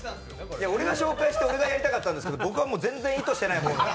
俺が紹介して俺がやりたかったんですが、僕が全然意図してない。